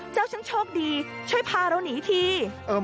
เจ้าช่างโชคดีช่วยพาเราหนีที